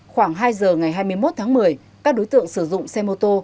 khoảng hai giờ ngày hai mươi một tháng một mươi các đối tượng sử dụng xe mô tô